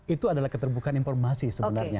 itu adalah keterbukaan informasi sebenarnya